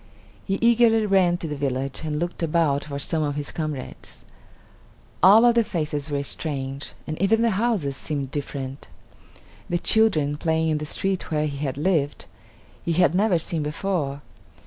He eagerly ran to the village and looked about for some of his comrades. All of the faces were strange, and even the houses seemed different. The children, playing in the street where he had lived, he had never seen before.